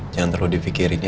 jangan terlalu difikirin ya